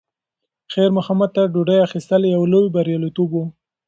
خیر محمد ته د ډوډۍ اخیستل یو لوی بریالیتوب و.